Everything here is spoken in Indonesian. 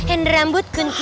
ini rambut kunti